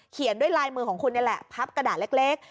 เขียนด้วยลายมือของคุณนี่แหละพับกระดาษเล็ก